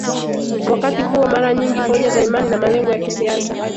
Wakati huo mara nyingi hoja za imani na malengo ya kisiasa